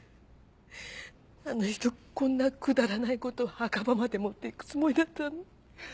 あの人こんなくだらない事を墓場まで持っていくつもりだったの？